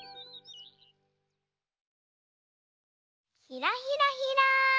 ひらひらひら。